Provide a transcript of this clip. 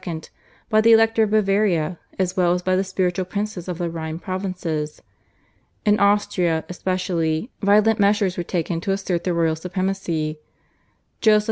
by the Elector of Bavaria, as well as by the spiritual princes of the Rhine provinces. In Austria, especially, violent measures were taken to assert the royal supremacy. Joseph II.